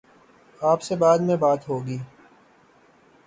آپ سے بعد میں بات ہو گی۔